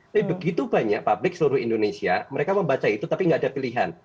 tapi begitu banyak publik seluruh indonesia mereka membaca itu tapi tidak ada pilihan